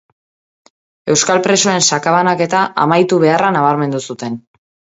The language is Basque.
Euskal presoen sakabanaketa amaitu beharra nabarmendu zuten.